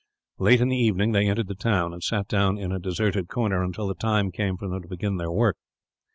Late in the evening they entered the town, and sat down in a deserted corner until the time came for them to begin their work.